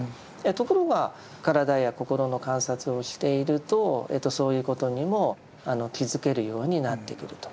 ところが体や心の観察をしているとそういうことにも気づけるようになってくると。